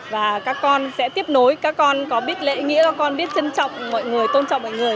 và các con sẽ tiếp nối các con có biết lễ nghĩa các con biết trân trọng mọi người tôn trọng mọi người